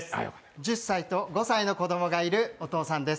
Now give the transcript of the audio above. １０歳と５歳の子供がいるお父さんです。